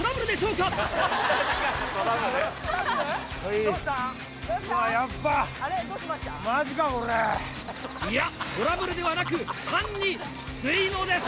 うわ、いや、トラブルではなく、単にきついのです。